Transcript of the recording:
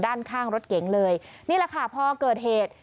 ด้านข้างรถเก๋งเลยนี่แหละค่ะพอเกิดเหตุ